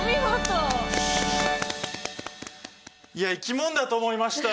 いや生き物だと思いましたよ。